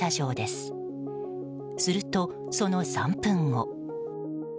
すると、その３分後。